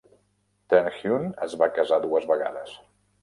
Terhune es va casar dues vegades.